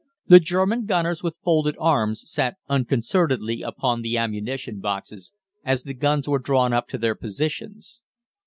The German gunners, with folded arms, sat unconcernedly upon the ammunition boxes as the guns were drawn up to their positions.